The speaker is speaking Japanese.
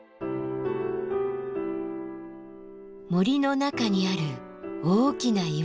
森の中にある大きな岩。